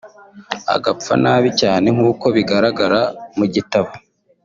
agapfa nabi cyane nk’uko bigaragara mu gitabo